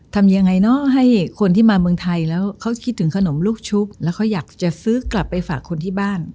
ทำยังไงเนอะให้คนที่มาเมืองไทยแล้วเขาคิดถึงขนมลูกชุบแล้วเขาอยากจะซื้อกลับไปฝากคนที่บ้าน